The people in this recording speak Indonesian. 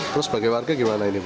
terus sebagai warga gimana ini bu